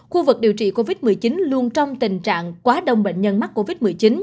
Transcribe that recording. khu vực điều trị covid một mươi chín luôn trong tình trạng quá đông bệnh nhân mắc covid một mươi chín